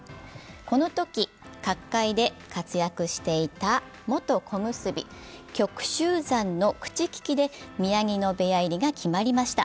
このとき、角界で活躍していた元小結・旭鷲山の口利きで宮城野部屋入りが決まりました。